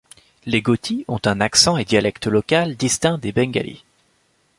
Les Ghotis ont un accent et dialecte local distincts des Bengalîs.